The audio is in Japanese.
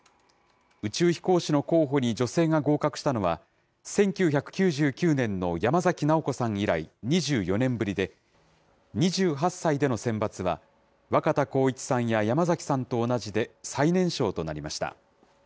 宇宙飛行士の候補に女性が合格したのは、１９９９年の山崎直子さん以来、２４年ぶりで、２８歳での選抜は、若田光一さんや山崎さんと同じで最年少となりました。